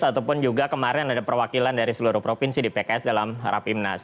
ataupun juga kemarin ada perwakilan dari seluruh provinsi di pks dalam rapimnas